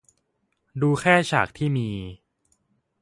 ดูแค่ฉากที่มี